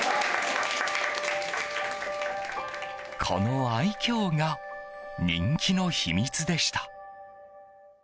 この愛嬌が人気の秘密でした。